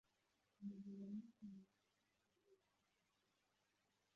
Ubwato bufite ubwato bumwe buyoborwa mumazi atuje